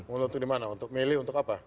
untuk dimana untuk milih untuk apa